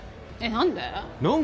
何で？